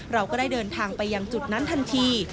เราก็ได้เดินทางไปยังจุดนั้นทันที